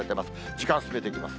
時間進めていきます。